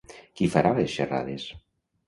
Qui farà les xerrades?